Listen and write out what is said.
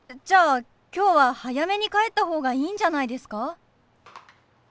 じゃあ今日は早めに帰った方がいいんじゃないですか？